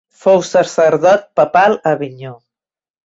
Fou sacerdot papal a Avinyó.